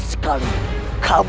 kita akan selalu bersama